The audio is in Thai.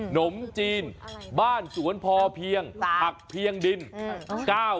นมจีนบ้านสวนพอเพียงผักเพียงดิน